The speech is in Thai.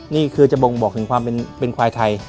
นี่คือจะบ่งบอกถึงความเป็นควายไทย